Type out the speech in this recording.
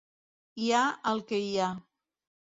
Hi ha el que hi ha.